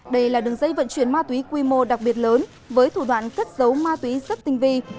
đây là đường dây vận chuyển ma túy quy mô đặc biệt lớn với thủ đoạn cất giấu ma túy rất tinh vi